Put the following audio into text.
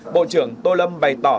bộ trưởng tô lâm bày tỏ